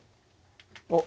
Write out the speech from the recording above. あっ！